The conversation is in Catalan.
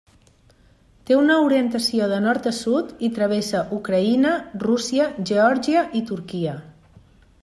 Té una orientació de nord a sud i travessa Ucraïna, Rússia, Geòrgia i Turquia.